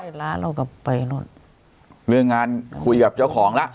ร้านเราก็ไปนู่นเรื่องงานคุยกับเจ้าของแล้ว